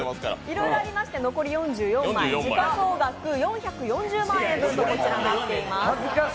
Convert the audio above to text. いろいろありまして残り４４枚時価総額４４０万円分となっています。